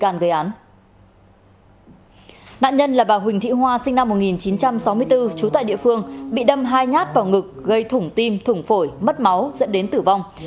nạn nhân là bà huỳnh thị hoa sinh năm một nghìn chín trăm sáu mươi bốn trú tại địa phương bị đâm hai nhát vào ngực gây thủng tim thủng phổi mất máu dẫn đến tử vong